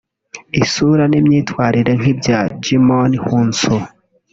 isura n’imyitwarire nk’ibya Djimon Hounsou